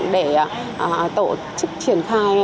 để tổ chức triển khai